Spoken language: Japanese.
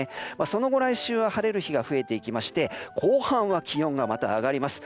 その後、来週は晴れる日が増えていきまして後半は気温がまた上がります。